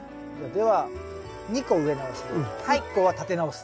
では２個植え直しで１個は立て直す。